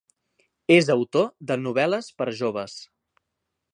És autor de novel·les per a joves.